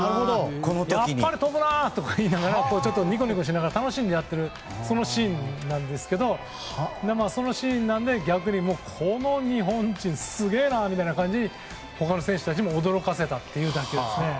やっぱり飛ぶなとか言いながらニコニコしながら楽しんでやってるそのシーンなんですけど逆に、この日本人すげえなみたいな感じで他の選手たちも驚かせた打球。